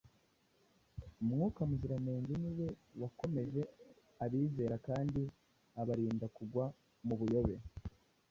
Mwuka Muziranenge ni we wakomeje abizera kandi abarinda kugwa mu buyobe.